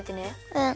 うん。